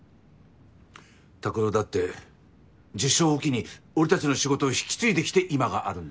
拓郎だって受賞を機に俺たちの仕事を引き継いできて今があるんだよ。